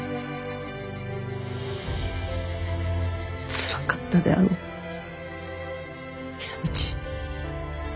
つらかったであろう久通。